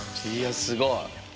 いやすごい。